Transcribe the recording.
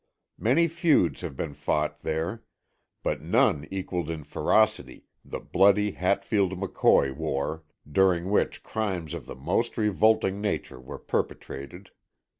Many feuds have been fought there, but none equalled in ferocity the bloody Hatfield McCoy war, during which crimes of the most revolting nature were perpetrated.